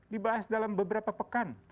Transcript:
dibahas dalam beberapa pekan